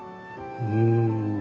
うん。